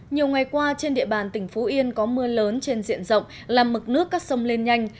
nhiều ngày qua trên địa bàn tỉnh phú yên có mưa lớn trên diện rộng làm mực nước các sông lên nhanh